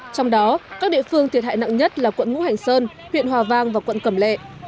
trong đó các địa phương thiệt hại nặng nhất là quận ngũ hành sơn huyện hòa vang và quận cẩm lệ